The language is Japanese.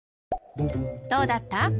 どうだった？